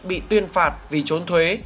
bị tuyên phạt vì trốn thuế